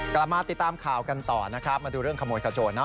กลับมาติดตามข่าวกันต่อนะครับมาดูเรื่องขโมยขโจนเนอ